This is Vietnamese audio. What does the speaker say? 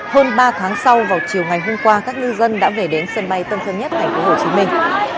hơn ba tháng sau vào chiều ngày hôm qua các ngư dân đã về đến sân bay tân sơn nhất thành phố hồ chí minh